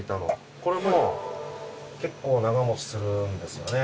これも結構長持ちするんですよね